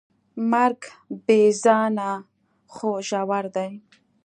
مرګ بېځانه خو ژور دی.